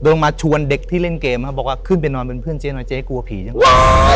เดินลงมาชวนเด็กที่เล่นเกมครับบอกว่าขึ้นไปนอนเป็นเพื่อนเจ๊นอย่างเจ๊กลัวผีอย่างงั้น